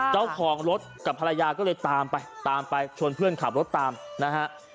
เจ้าของรถกับภรรยาก็เลยตามไปตามไปชวนเพื่อนขับรถตามนะฮะ